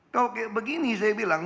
kalau kayak begini saya bilang